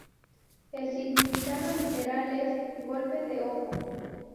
El significado literal es "golpe de ojo".